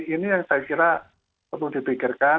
ini yang saya kira perlu dipikirkan